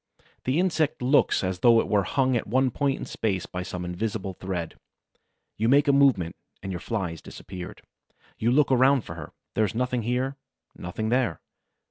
The insect looks as though it were hung at one point in space by some invisible thread. You make a movement, and your Fly has disappeared. You look about for her. There is nothing here, nothing there.